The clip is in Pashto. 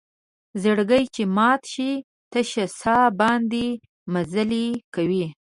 زړګۍ چې مات شي تشه سا باندې مزلې کوي